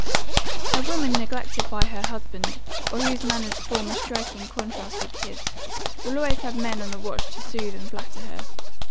"A woman neglected by her husband, or whose manners form a striking contrast with his, will always have men on the watch to soothe and flatter her.